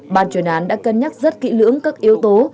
ban chuyên án đã cân nhắc rất kỹ lưỡng các yếu tố